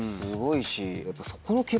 すごいし。